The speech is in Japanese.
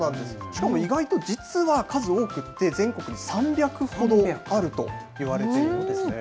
しかも意外と実は数多くて、全国に３００ほどあるといわれているんですね。